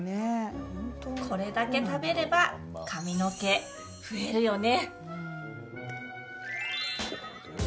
これだけ食べれば髪の毛増えるよね？